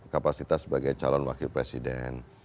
kapasitas sebagai calon wakil presiden